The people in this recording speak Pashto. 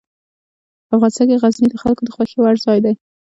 افغانستان کې غزني د خلکو د خوښې وړ ځای دی.